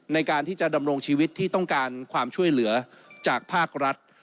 ในการที่จะดำรงชีวิตที่ต้องการความช่วยเหลือจากภาครัฐ